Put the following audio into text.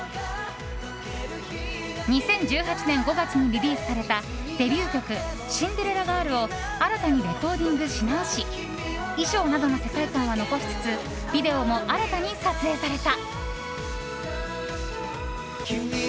２０１８年５月にリリースされたデビュー曲「シンデレラガール」を新たにレコーディングし直し衣装などの世界観は残しつつビデオも新たに撮影された。